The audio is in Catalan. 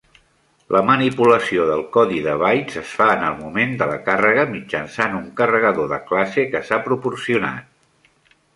La manipulació del codi de bytes es fa en el moment de la càrrega mitjançant un carregador de classe que s'ha proporcionat.